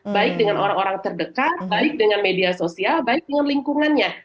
baik dengan orang orang terdekat baik dengan media sosial baik dengan lingkungannya